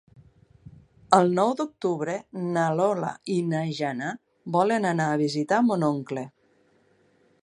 El nou d'octubre na Lola i na Jana volen anar a visitar mon oncle.